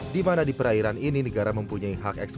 di mana di perairan ini negara mempunyai hak ekspor